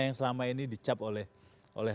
yang selama ini dicap oleh